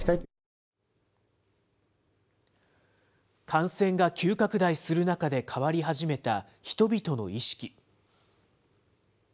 感染が急拡大する中で変わり始めた人々の意識。